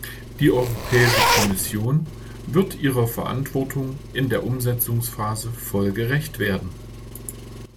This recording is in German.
Die Europäische Kommission wird ihrer Verantwortung in der Umsetzungsphase voll gerecht werden.